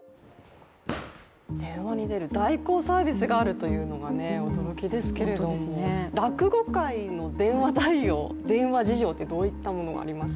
電話に出る代行サービスがあるというのが驚きですけども、落語界の電話事情って、どういったものがあります？